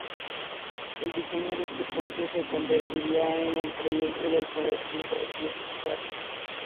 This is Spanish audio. El diseño de este puente se convertiría en el proyecto del Puente George Washington.